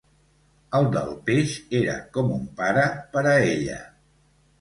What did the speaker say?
El del peix era com un pare per a ella.